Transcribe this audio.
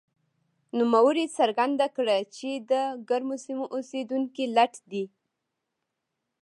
نوموړي څرګنده کړه چې د ګرمو سیمو اوسېدونکي لټ دي.